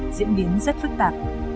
diễn biến rất phức tạp